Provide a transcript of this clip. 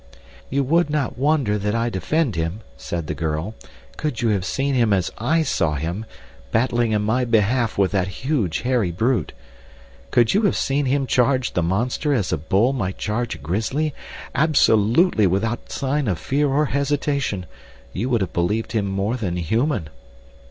"You would not wonder that I defend him," said the girl, "could you have seen him as I saw him, battling in my behalf with that huge hairy brute. "Could you have seen him charge the monster as a bull might charge a grizzly—absolutely without sign of fear or hesitation—you would have believed him more than human.